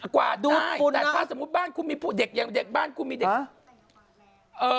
กว่าด้วยแต่ถ้าสมมุติบ้านคุณมีผู้เด็กอย่างเด็กบ้านคุณมีเด็ก